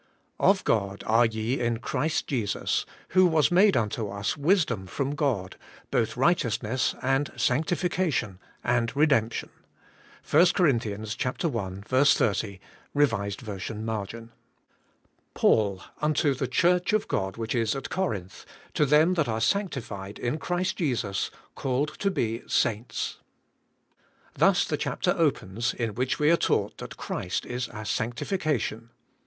*0f God are ye in Christ Jesus, who was made unto us wisdom from God, both righteousness and sanctification, and redemption.'— 1 Cor. i. 30 (R. V. marg.), ' "pAUL, unto the Church of God which is at Corinth, L to them that are sanctified in Christ Jesus, called to be saints;'^ — thus the chapter opens in which we are taught that Christ is our sanctification.